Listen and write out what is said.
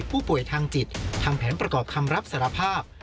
ผู้ป่วยทางจิตทำแผนประกอบคำรับสารภาพ